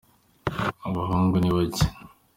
abahungu nibake